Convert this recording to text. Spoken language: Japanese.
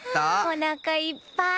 おなかいっぱい。